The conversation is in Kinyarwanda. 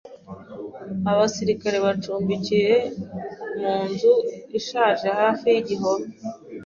Abasirikare bacumbikiwe mu nzu ishaje hafi y'igihome.